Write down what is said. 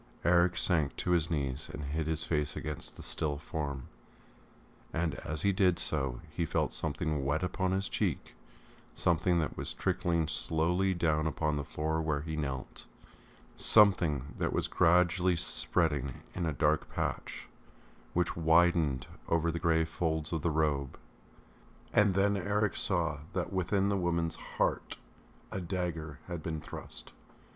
Eric sank to his knees and hid his face against the still form, and as he did so he felt something wet upon his cheek, something that was trickling slowly down upon the floor where he knelt, something that was gradually spreading in a dark patch, which widened over the grey folds of the robe. And then Eric saw that within the woman's heart a dagger had been thrust....